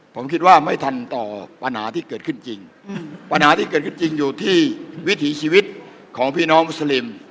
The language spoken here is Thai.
ผมคิดว่าไม่ทันต่อปัญหาที่เกิดขึ้นจริงปัญหาที่เกิดขึ้นจริงอยู่ที่วิถีชีวิตของพี่น้องมุสลิม